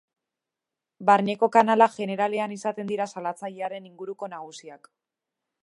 Barneko kanalak jeneralean izaten dira salatzailearen inguruko nagusiak.